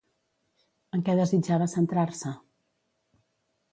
En què desitjava centrar-se?